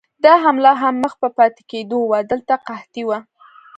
دا حمله هم مخ په پاتې کېدو وه، دلته قحطي وه.